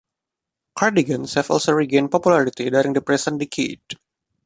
Cardigans have also regained popularity during the present decade.